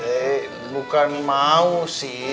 eh bukan mau sih